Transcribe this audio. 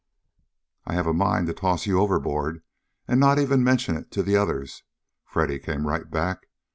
"I have a mind to toss you overboard, and not even mention it to the others!" Freddy came right back.